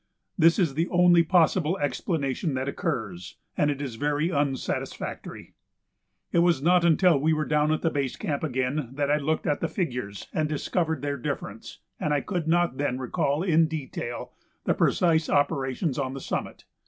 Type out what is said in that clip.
This is the only possible explanation that occurs, and it is very unsatisfactory. It was not until we were down at the base camp again that I looked at the figures, and discovered their difference, and I could not then recall in detail the precise operations on the summit.